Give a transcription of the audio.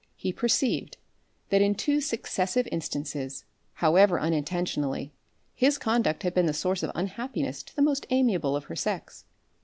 He perceived, that in two successive instances, however unintentionally, his conduct had been the source of unhappiness to the most amiable of her sex.